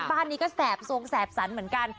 บ้านนี้ก็แสบทรงแสบสันเหมือนกัน